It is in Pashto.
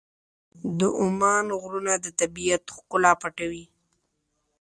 د عمان غرونه د طبیعت ښکلا پټوي.